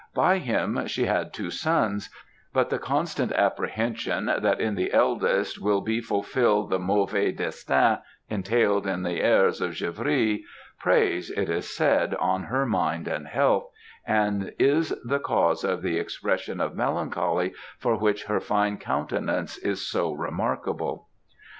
By him she had two sons; but the constant apprehension that in the eldest will be fulfilled the mauvais destin entailed on the heirs of Givry, preys, it is said, on her mind and health, and is the cause of the expression of melancholy for which her fine countenance is so remarkable.